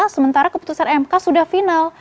sementara keputusan mk sudah final